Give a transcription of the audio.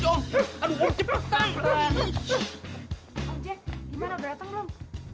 om jack gimana udah datang belum